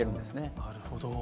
なるほど。